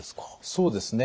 そうですね。